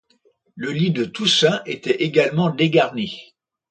Le lit de Toussaint était également dégarni.